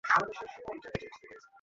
সতীশ জিজ্ঞাসা করিল, আপনি ভিতরে আসবেন না?